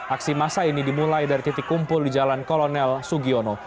aksi masa ini dimulai dari titik kumpul di jalan kolonel sugiono